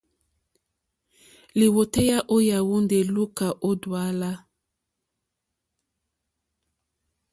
Lìwòtéyá ó yàwùndè lùúkà ó dùálá.